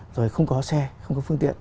rồi không có xe không có phương tiện